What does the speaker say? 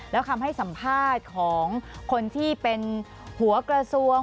แล้วคำให้สัมภาษณ์ของคนที่เป็นหัวกระทรวง